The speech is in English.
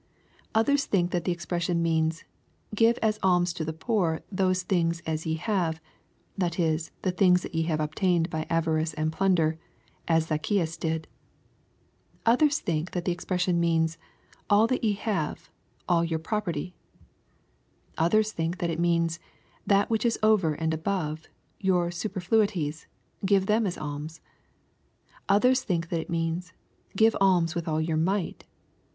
— Others think that the expression means, " Give as alms to flie poor those things that ye have," that is, the things that ye have obtained by avarice and plunder, as Zacchaeus did. — Others think that the expression means, " All that ye have — all your proper ty."— Others think that it means, " That which is over and above, — ^your superfluities, — give them as alms." — Others think that it means, " Give alms with all your might."